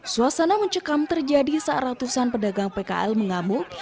suasana mencekam terjadi saat ratusan pedagang pkl mengamuk